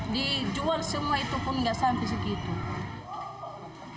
dijual semua itu pun nggak sampai segitu